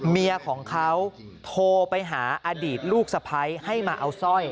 เมียของเขาโทรไปหาอดีตลูกสะพ้ายให้มาเอาสร้อย